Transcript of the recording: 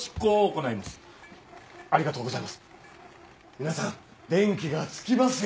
皆さん電気がつきますよ。